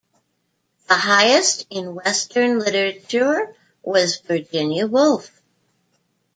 The highest in western literature was Virginia Woolf.